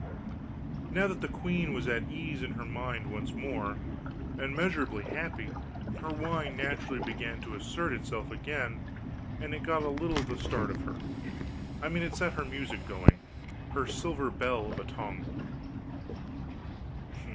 Now that the queen was at ease in her mind once more, and measurably happy, her wine naturally began to assert itself again, and it got a little the start of her. I mean it set her music going her silver bell of a tongue.